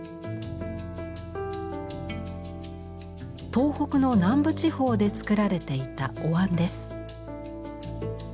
東北の南部地方で作られていたお椀です。